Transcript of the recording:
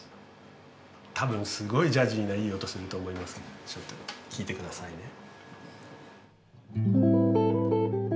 たぶんすごいジャジーないい音すると思いますけどちょっと聴いてくださいね。